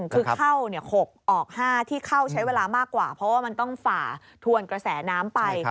คือเข้า๖ออก๕ที่เข้าใช้เวลามากกว่าเพราะว่ามันต้องฝ่าทวนกระแสน้ำไป